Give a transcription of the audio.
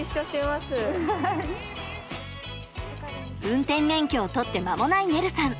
運転免許を取って間もないねるさん。